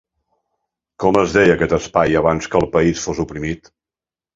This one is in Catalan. Com es deia aquest espai abans que el país fos oprimit?